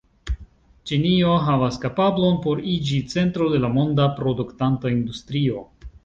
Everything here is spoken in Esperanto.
Ĉinio havas kapablon por iĝi centro de la monda produktanta industrio.